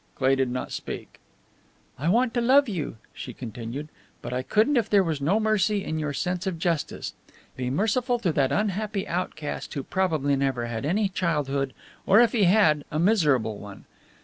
Cleigh did not speak. "I want to love you," she continued, "but I couldn't if there was no mercy in your sense of justice. Be merciful to that unhappy outcast, who probably never had any childhood, or if he had, a miserable one.